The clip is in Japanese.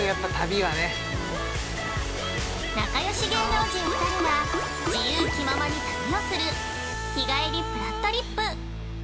仲よし芸能人２人が自由気ままに旅をする「日帰りぷらっとりっぷ」。